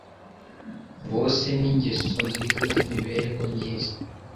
wose n’ingeso nziza z’imibereho myiza